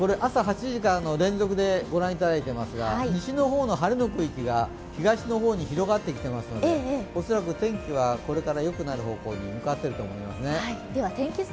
朝８時からの連続で御覧いただいていますが西の方の晴れの区域が東の方に広がってきていますので恐らく天気はこれからよくなる方向に向かっていると思いますね。